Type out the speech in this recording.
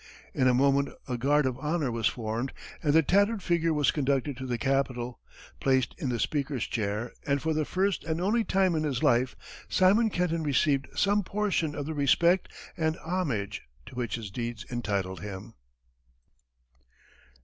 In a moment a guard of honor was formed, and the tattered figure was conducted to the Capitol, placed in the speaker's chair, and for the first and only time in his life, Simon Kenton received some portion of the respect and homage to which his deeds entitled him.